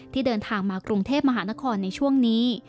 เดินทางมากรุงเทพมหานครในช่วงนี้